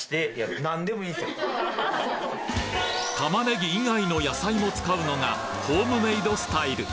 玉ねぎ以外の野菜も使うのがホームメイドスタイル。